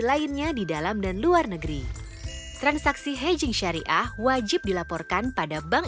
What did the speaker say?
lainnya di dalam dan luar negeri transaksi hedging syariah wajib dilaporkan pada bank